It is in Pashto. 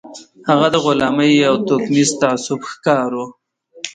هغه د غلامۍ او توکميز تعصب ښکار و